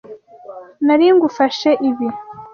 Nari ngufashe ibi.